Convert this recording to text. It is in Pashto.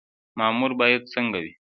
مامور باید څنګه وي؟